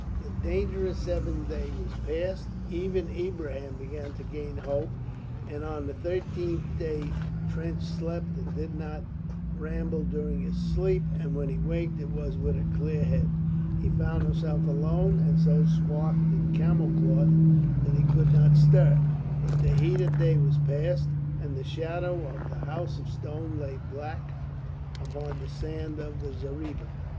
The dangerous seventh day was passed. Even Ibrahim began to gain hope; and on the thirteenth day Trench slept and did not ramble during his sleep, and when he waked it was with a clear head. He found himself alone, and so swathed in camel cloths that he could not stir; but the heat of the day was past, and the shadow of the House of Stone lay black upon the sand of the zareeba.